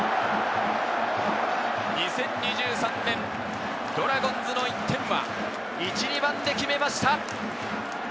２０２３年、ドラゴンズの１点は１、２番で決めました。